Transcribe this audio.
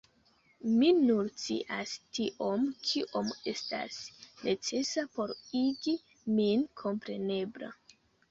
Mi nur scias tiom, kiom estas necesa por igi min komprenebla.